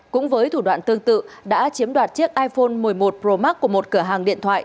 cũng với thủ đoạn tương tự đã chiếm đoạt chiếc iphone một mươi một pro max của một cửa hàng điện thoại